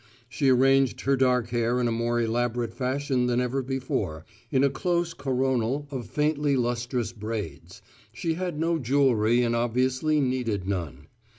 She arranged her dark hair in a more elaborate fashion than ever before, in a close coronal of faintly lustrous braids; she had no jewellery and obviously needed none.